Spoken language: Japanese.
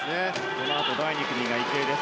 このあと第２組に池江です。